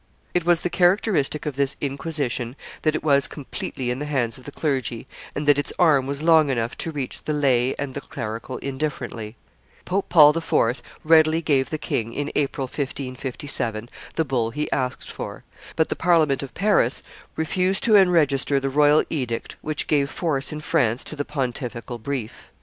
It was the characteristic of this Inquisition, that it was completely in the hands of the clergy, and that its arm was long enough to reach the lay and the clerical indifferently. Pope Paul IV. readily gave the king, in April, 1557, the bull he asked for, but the Parliament of Paris refused to enregister the royal edict which gave force in France to the pontifical brief.